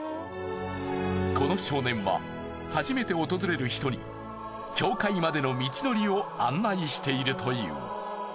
この少年は初めて訪れる人に教会までの道のりを案内しているという。